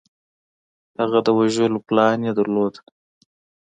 هغه د وژلو پلان یې درلود